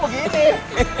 habis itu begini